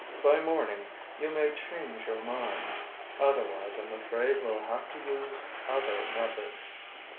By morning, you may change your mind. Otherwise, I'm afraid we'll have to use other methods.